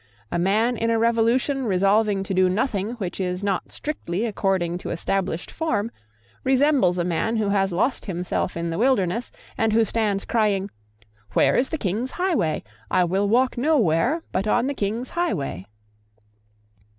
A man in a revolution resolving to do nothing which is not strictly according to established form resembles a man who has lost himself in the wilderness, and who stands crying 'Where is the king's highway? I will walk nowhere but on the king's highway.'